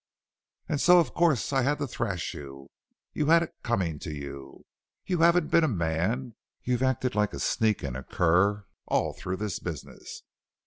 "... and so of course I had to thrash you you had it coming to you. You haven't been a man you've acted like a sneak and a cur all through this business.